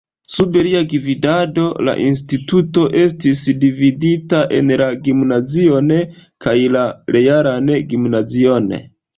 Sub lia gvidado la instituto estis dividita en la gimnazion kaj la realan gimnazion.